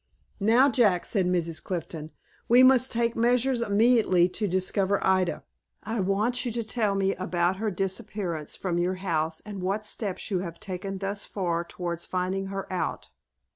"Now Jack," said Mrs. Clifton, "we must take measures immediately to discover Ida. I want you to tell me about her disappearance from your house, and what steps you have taken thus far towards finding her out."